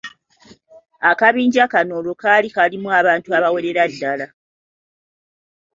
Akabinja kano olwo kaali kalimu abantu abawererako ddala.